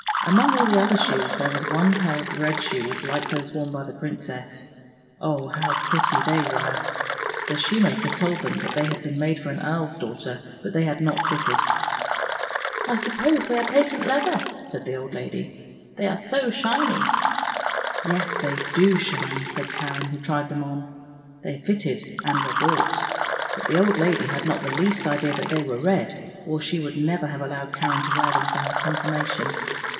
Among all the other shoes there was one pair of red shoes like those worn by the princess; oh, how pretty they were. The shoemaker told them that they had been made for an earl's daughter, but they had not fitted. " I suppose they are patent leather," said the old lady, " they are so shiny." " Yes, they do shine," said Karen, who tried them on. They fitted and were bought; but the old lady had not the least idea that they were red, or she would never have allowed Karen to wear them for her Confirmation.